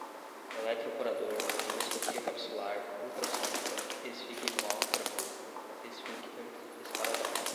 eletroporador, endoscopia capsular, ultrassônica, esfigmógrafo, esfíncter, esparadrapo